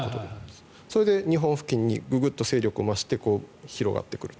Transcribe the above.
それで日本付近にググッと勢力を増して広がってくると。